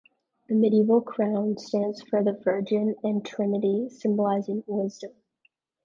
The medieval crown stands for the Virgin and Trinity, symbolizing wisdom.